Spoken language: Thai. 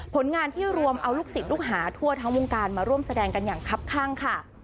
ผลงานที่รวมเอาลูกศิษย์ลูกหาทั่วทั้งวงการมาร่วมแสดงกันอย่างคับข้างค่ะ